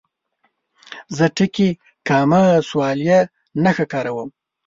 زه ټکي، کامه، سوالیه نښه کاروم.